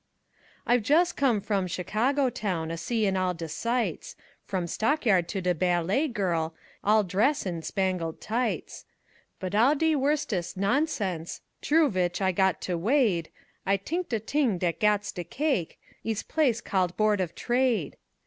_) I've jus' com' from Chicago town, A seein' all de sights From stockyard to de ballet gairl, All drass' in spangled tights. But all de worstes' nonsens' T'roo vich I got to wade, I t'ink de t'ing dat gats de cake Ees place called Board of Trade.